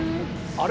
あれ？